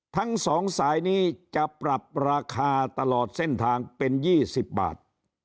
ทั้ง๒สายนี้จะปรับราคาตลอดเส้นทางเป็น๒๐บาท